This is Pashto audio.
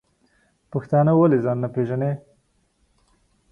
پښتانه ولی ځان نه پیژنی؟